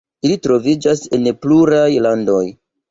Ili troviĝas en pluraj landoj.